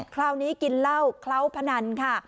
คราวนี้กินเหล้าเคล้าพนันค่ะ